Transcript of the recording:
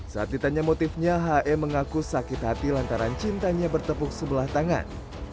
saat ditanya motifnya he mengaku sakit hati lantaran cintanya bertepuk sebelah tangan